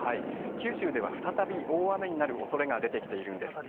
九州では再び大雨になるおそれが出てきているんです。